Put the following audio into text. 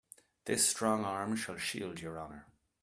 This strong arm shall shield your honor.